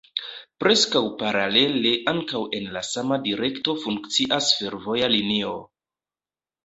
Preskaŭ paralele ankaŭ en la sama direkto funkcias fervoja linio.